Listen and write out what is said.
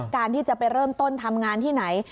การที่จะไปเริ่มต้นทำงานที่ไหน